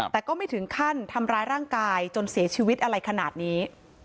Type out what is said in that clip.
แต่ก็ไม่ถึงขั้นทำร้ายร่างกายจนเสียชีวิตอะไรขนาดนี้